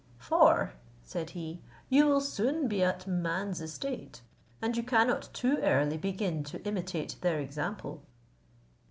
"For," said he, "you will soon be at man's estate, and you cannot too early begin to imitate their example."